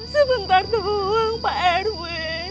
sebentar dulu pak rw